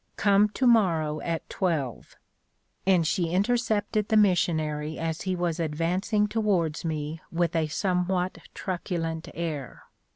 Come to morrow at twelve;" and she intercepted the missionary as he was advancing towards me with a somewhat truculent air.